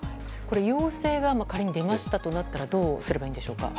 陽性が仮に出たとしたらどうすればいいんでしょうか。